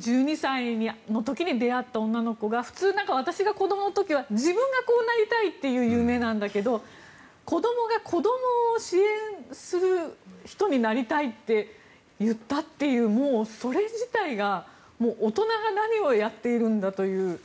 １２歳の時に出会った女の子が普通、私が子どもの時は自分がこうなりたいという夢なんだけど子どもが子どもを支援する人になりたいって言ったというもうそれ自体が大人が何をやっているんだという。